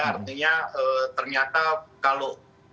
artinya ternyata kalau